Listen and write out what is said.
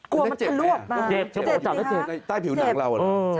กลัวมันจะรวบมาเจ็บใต้ผิวหนังเรา